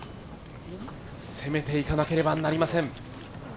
攻めていかなければなりません。